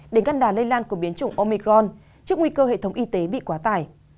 để ngăn đàn lây lan của biến chủng omikron trước nguy cơ hệ thống y tế bị quá tải